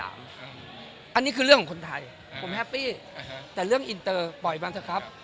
อันนี้คือเรื่องของคนไทยผมแฮปปี้แต่เรื่องอินเตอร์ปล่อยมันเถอะครับ